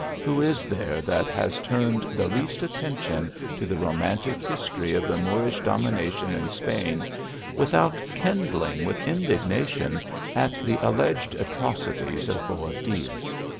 Who is there that has turned the least at tention to the romantic history of the Moorish dom ination in Spain, without kindling with indignation at the alleged atrocities of Boabdil